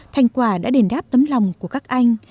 thành quả đã đền đáp tấm lòng của các anh